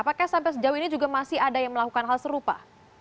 apakah sampai sejauh ini juga masih ada yang melakukan hal serupa